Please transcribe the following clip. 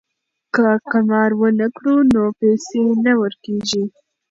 که قمار ونه کړو نو پیسې نه ورکيږي.